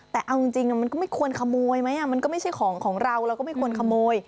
แต่เอาจริงมันก็ไม่ควรขโมยไหมมันก็ไม่ใช่ของของเราเราก็ไม่ควรขโมย